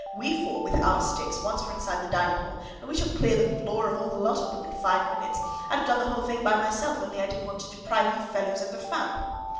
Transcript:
We four, with our sticks, once we're inside the dining hall, why, we shall clear the floor of all the lot of them in five minutes. I'd have done the whole thing by myself, only I didn't want to deprive you fellows of the fun!"